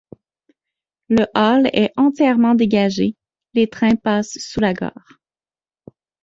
Le Hall est entièrement dégagé, les trains passent sous la gare.